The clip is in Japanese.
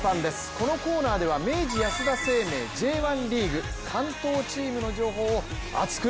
このコーナーでは明治安田生命Ｊ１リーグ、関東チームの情報を熱く！